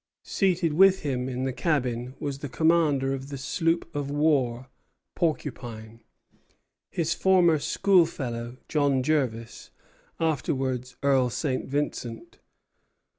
Seated with him in the cabin was the commander of the sloop of war "Porcupine," his former school fellow, John Jervis, afterwards Earl St. Vincent.